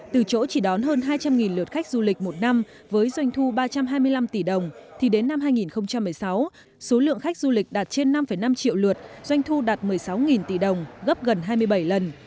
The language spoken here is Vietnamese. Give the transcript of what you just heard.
từ chỗ chỉ đón hơn hai trăm linh lượt khách du lịch một năm với doanh thu ba trăm hai mươi năm tỷ đồng thì đến năm hai nghìn một mươi sáu số lượng khách du lịch đạt trên năm năm triệu lượt doanh thu đạt một mươi sáu tỷ đồng gấp gần hai mươi bảy lần